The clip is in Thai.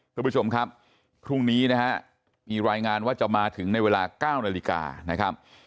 คุณผู้ชมครับพรุ่งนี้นะฮะมีรายงานว่าจะมาถึงในเวลา๙นาฬิกานะครับ